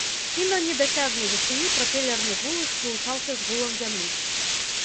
І на недасяжнай вышыні прапелерны гул іх злучаўся з гулам зямлі.